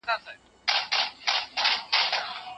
زه هره ورځ د مازدیګر په وخت کې وزرشم.